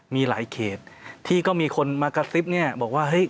มีหลายเขตที่ก็มีคนมากระซิบบอกว่า